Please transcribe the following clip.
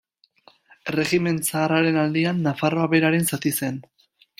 Erregimen Zaharraren aldian, Nafarroa Beherearen zati zen.